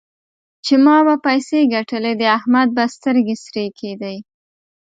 چې ما به پيسې ګټلې؛ د احمد به سترګې سرې کېدې.